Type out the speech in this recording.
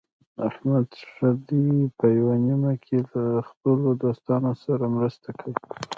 احمد ښه دی په یوه نیمه کې د خپلو دوستانو سره مرسته کوي.